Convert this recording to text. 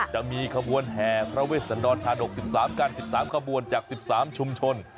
จะมีขบวนแห่พระเวชสันดรธาดก๑๓กัน๑๓ขบวนจาก๑๓ชุมชน